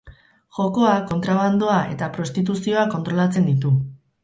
Jokoa, kontrabandoa eta prostituzioa kontrolatzen ditu.